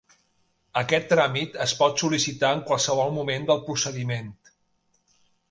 Aquest tràmit es pot sol·licitar en qualsevol moment del procediment.